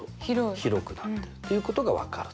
広くなってるということが分かると。